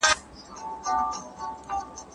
د مشرانو ځای په پای کي نه وي.